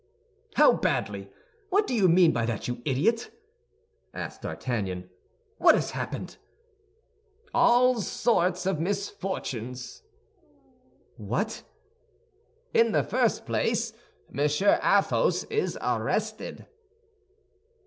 "How, badly? What do you mean by that, you idiot?" asked D'Artagnan. "What has happened?" "All sorts of misfortunes." "What?" "In the first place, Monsieur Athos is arrested."